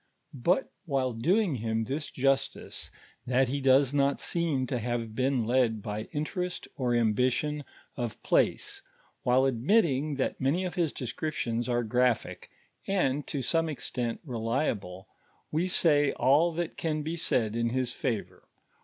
But wliile doing him this justice, that lie does not seem to have been led by interest or ambition of place, while admitting that many of his descriptions ore graphic, and to some extent relie.ble, we say all that enn be said in his favor.